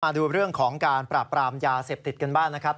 ดูเรื่องของการปราบปรามยาเสพติดกันบ้างนะครับ